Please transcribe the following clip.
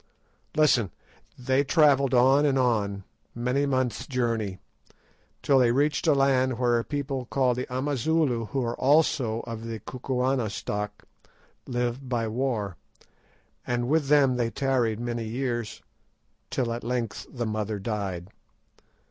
"Listen. They travelled on and on, many months' journey, till they reached a land where a people called the Amazulu, who also are of the Kukuana stock, live by war, and with them they tarried many years, till at length the mother died.